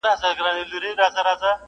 ادب کي دا کيسه ژوندۍ ده,